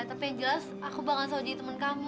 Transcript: tapi yang jelas aku bangga soal jadi temen kamu